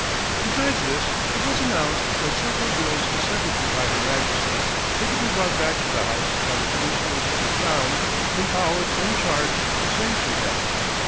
Besides this, it was announced that several bills assented to by her Majesty were to be brought back to the House by the Commissioners of the Crown empowered and charged to sanction them.